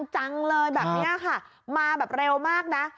จังเลยแบบนี้ค่ะมาแบบเร็วมากนะ